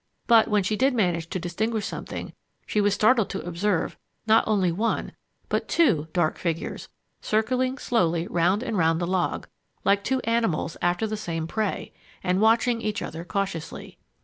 But when she did manage to distinguish something, she was startled to observe not only one, but two dark figures circling slowly round and round the log, like two animals after the same prey, and watching each other cautiously.